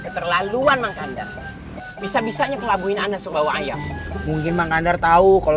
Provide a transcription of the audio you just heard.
terlaluan bisa bisanya kelabuin anda sebau ayam mungkin mengandar tahu kalau